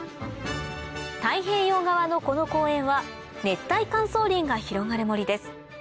太平洋側のこの公園は熱帯乾燥林が広がる森です